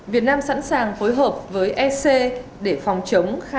việt nam sẵn sàng phối hợp với ec để phòng chống khai thác hải sản bất hợp pháp